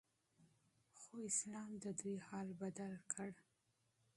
خو اسلام ددوی حال بدل کړ